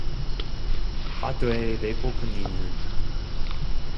하되 배고픈 이는